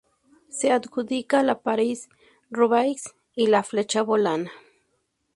Se adjudica la París-Roubaix y la Flecha Valona.